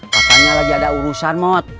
katanya lagi ada urusan mot